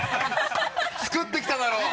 作ってきただろう！